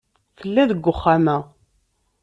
Tella deg uxxam-a.